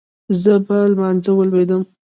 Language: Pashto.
زه يې په لمانځه وليدم.